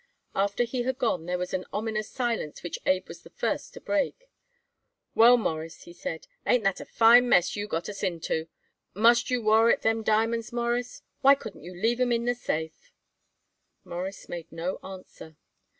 After he had gone there was an ominous silence which Abe was the first to break. "Well, Mawruss," he said, "ain't that a fine mess you got us into it? Must you wore it them diamonds, Mawruss? Why couldn't you leave 'em in the safe?" Morris made no answer.